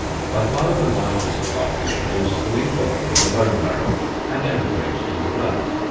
By far the larger part is produced fully formed in the bone marrow, and emigrate to the blood.